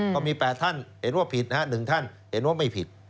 ก็มี๘ท่านเห็นว่าผิดนะฮะ๑ท่านเห็นว่าไม่ผิด